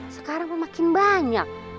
sekarang memakin banyak